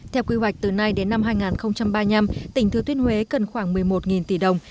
theo quy hoạch từ nay đến năm hai nghìn ba mươi năm tỉnh thừa tuyên huế cần khoảng một mươi một tỷ đồng